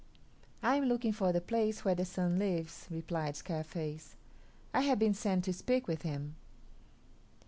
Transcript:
"I am looking for the place where the Sun lives," replied Scarface. "I have been sent to speak with him."